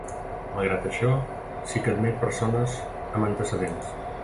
Malgrat això sí que admet persones amb antecedents.